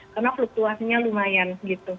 karena valuasinya lumayan gitu